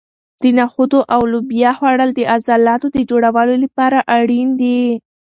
د نخودو او لوبیا خوړل د عضلاتو د جوړولو لپاره اړین دي.